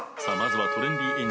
さあまずはトレンディ